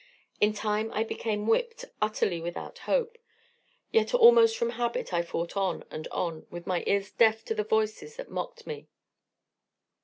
In time I became whipped, utterly without hope. Yet almost from habit I fought on and on, with my ears deaf to the voices that mocked me.